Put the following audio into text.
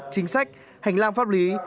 chính sách hành lang pháp lý